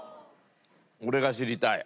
俺が知りたい。